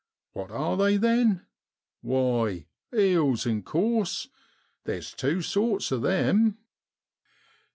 What are they, then ? Why, eels, in course. Theer's tew sorts o' them.